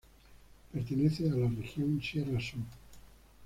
Pertenece a la región sierra sur.